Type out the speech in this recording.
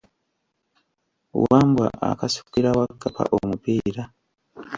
Wambwa akasukira Wakkapa omupiira.